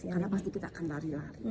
karena pasti kita akan lari lari